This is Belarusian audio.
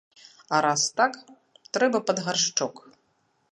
А раз так, трэба пад гаршчок.